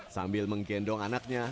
sambil menggendong anaknya